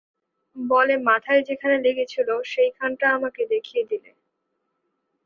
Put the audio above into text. বলে মাথায় যেখানে লেগেছিল সেইখানটা আমাকে দেখিয়ে দিলে।